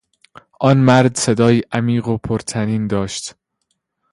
آن مرد صدایی عمیق و پرطنین داشت.